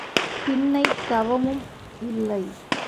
பின்னைத் தவமும் இல்லை.